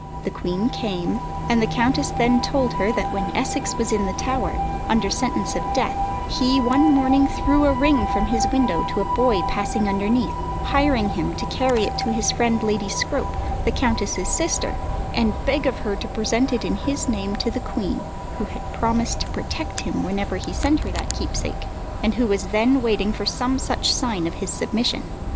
The Queen came, and the countess then told her that when Essex was in the Tower, under sentence of death, he one morning threw a ring from his window to a boy passing underneath, hiring him to carry it to his friend Lady Scrope, the countess's sister, and beg of her to present it in his name to the queen, who had promised to protect him whenever he sent her that keepsake, and who was then waiting for some such sign of his submission.